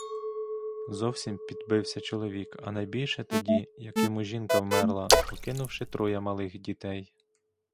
Зовсім підбився чоловік, а найбільше тоді, як йому жінка вмерла, покинувши троє малих дітей.